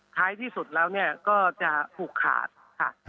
ขายที่สุดแล้วเนี่ยก็จะผูกขาดค่ะ